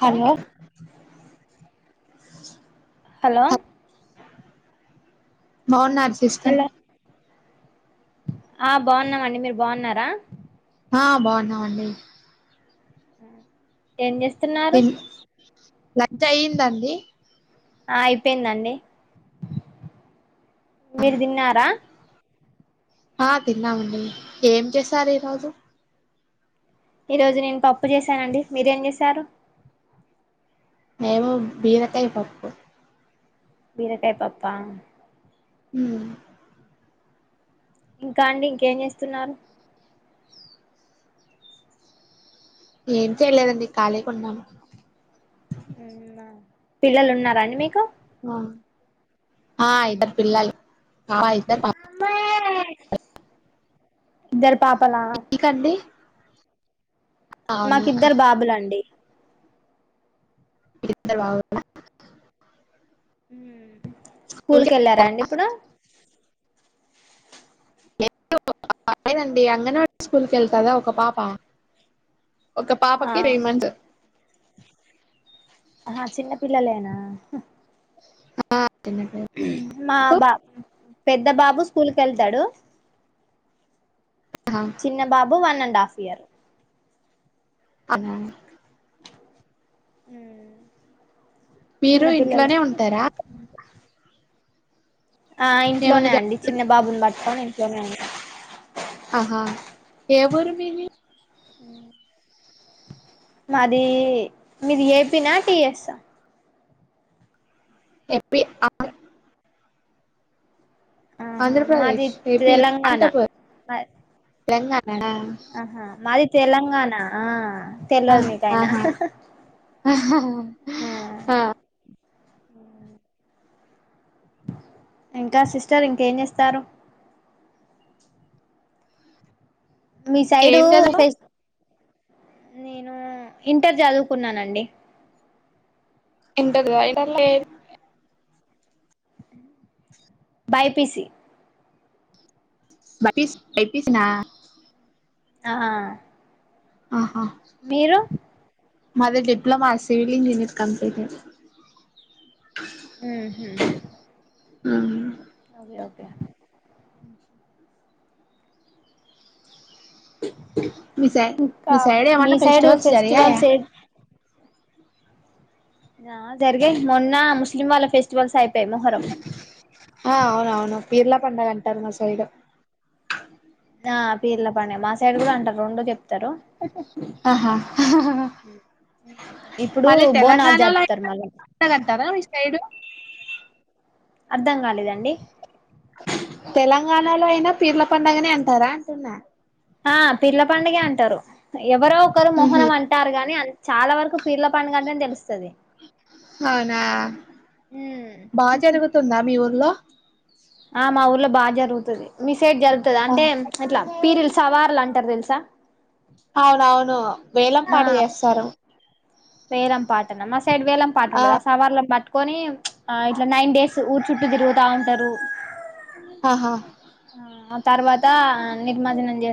Hello hello బావున్నార్ స hello ఆ బాన్నామండి మీరు బాన్నారా. హా బాన్నావండి. ఏం జెస్తున్నా లంచ్ అయిందాండి ఆ అయిపోయిందండి మీరు దిన్నారా ఆ తిన్నామండి ఏం చేశారు ఈ రోజు. ఈ రోజు నేను పప్పు చేశాను అండి మీరేం జేశారు మేము బీరకాయ పప్పు బీరకాయ పప్పా హమ్ ఇంకా అండి ఇంకేన్ జెస్తున్నారు. ఏం చేయలేదండి ఖాళీగున్నం పిల్లలు ఉన్నారండి మీకు ఆహ్ ఆ ఇద్దరు పిల్లలు ఆ ఇద్దరు పాప. ఇద్దరు పాపలా మీకండీ నాకిద్దరు బాబులండి. ఇద్దరు బాబులా. స్కూల్కెళ్లరా అండి ఇప్పుడు. లేదు పోలేదండి అంగన్వాడి స్కూల్కెళ్తదా ఒక పాప ఒక ఆ పాపకి త్రీ మంత్స్. ఆహా చిన్న పిల్లలేేనా. ఆ, చిన్న పిల్ల. మా మీకు? బా పెద్ద బాబు స్కూల్కేళ్తాడు. హా చిన్న బాబు వన్ అండ్ హాఫ్ ఇయర్. ఆహా మీరు చిన్న పిల్లలే ఇంట్లోనే ఉంటారా. ఆ ఏమన్నా ఇంట్లోనే జ అండి చిన్న బాబుని బట్కొని ఇంట్లోనే ఉంటా. ఆహా ఏ ఊరు మీది. మాదీ మీది ఏ పీ నా, టి ఎస్ ఆ ఏ పీ, ఆ ఆహా మాది ఆంధ్రప్రదేశ్ ఏ పీ, అంట తెలంగాణ పర్ తెలంగానేనా మాది తెలంగాణ ఆ ఆ తెల్వదు మీకైనా ఆహా, ఆ ఆ ఇంకా సిస్టర్ ఇంకేన్జెస్తారూ మీ సైడూ ఏం చదివావ్ ఫెస్ నేను ఇంటర్ జదుకున్నానండి. ఇంటర్ లా రాయ్ టాట్ లే బై పి సి బైయిస్, బై పీ సీ నా ఆహ ఆహా మీరు మాది డిప్లమా సివిల్ ఇంజనీర్ కంప్లీటే ఊహు ఆ ఓగే ఓకే మీ సై మీ ఇంకా సైడ్ మీ ఏమన్నా సైడ్ ఫెస్టివల్స్ జరిగాయా ఫెస్టివల్స్ ఏ ఆ జరిగాయ్ మొన్న ముస్లిం వాళ్ళ ఫెస్టివల్స్ అయిపోయాయి మొహరం ఆ అవునవును పీర్లా పండగ అంటారు మా సైడ్ ఆ పీర్ల పనే మా సైడ్ గూడా అంటారు రొండు చెప్తారు ఇప్పుడు మళ్ళీ బోనాలు తెలంగాణ జరుపుతారు మళ్ళ టదంటారా మీ సైడు అర్థం గాలేదండి తెలంగాణలో అయినా పీర్ల పండగనే అంటారా అంటున్నా ఆ పీర్ల పండగే అంటారు ఎవరో ఒకరు ఉహు మొహర్రం అంటారు గాని చాలా వరకు పీర్ల పండగంటని తెలుస్తది అవునా ఉమ్ టుందా మీ ఊర్లో ఆ మా ఊర్లో బా జరుగుతది మీ సైడ్ జరుగుతది ఆ, అంటే అట్ల పీరలు సవార్లు అంటారు దెలుసా అవునవును వేలం పాట ఆ చేస్తారు వేలం పాటన మా సైడ్ వేలం పాటుండదు ఆ సవార్లని బట్టుకోని ఆ ఇట్ల నైన్ డేస్ ఊరు చుట్టూ తిరుగుతా ఉంటారు ఆహా ఆ తర్వాత నిర్మజ్జనం చేస్